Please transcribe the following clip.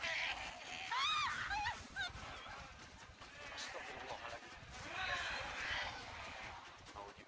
hai gue mati siapus jalan kenapa gue kenapa bukan rara tolina